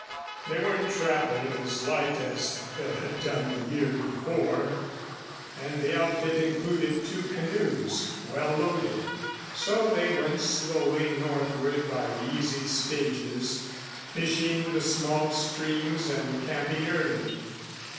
They weren't traveling as light as Phil had done the year before and the outfit included two canoes, well loaded. So they went slowly northward by easy stages, fishing the small streams and camping early.